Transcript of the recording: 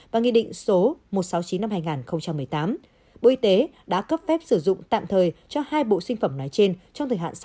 và nghị định số một trăm sáu mươi chín năm hai nghìn một mươi tám bộ y tế đã cấp phép sử dụng tạm thời cho hai bộ sinh phẩm nói trên trong thời hạn sáu